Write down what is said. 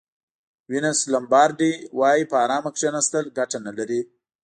وینس لومبارډي وایي په ارامه کېناستل ګټه نه لري.